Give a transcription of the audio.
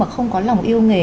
không có lòng yêu nghề